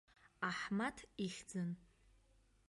Аҳмаҭ ихьӡын.